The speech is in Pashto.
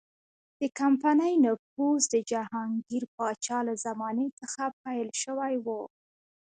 د کمپنۍ نفوذ د جهانګیر پاچا له زمانې څخه پیل شوی و.